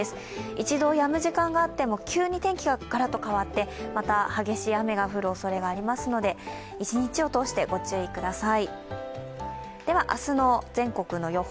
一度やむ時間があっても急に天気ががらっと変わってまた激しい雨が降るおそれがありますので、一日を通してご注意ください。